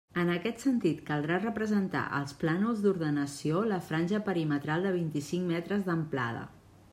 En aquest sentit caldrà representar als plànols d'ordenació la franja perimetral de vint-i-cinc metres d'amplada.